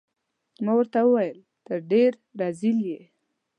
ما ورته وویل: ته ډیر رزیل يې.